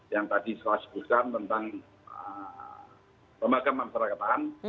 yang tadi selalu sebutkan tentang lembaga permasyarakatan